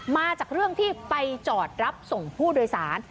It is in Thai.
มาจากเรื่องที่ไปจอดรับส่งผู้โดยสาร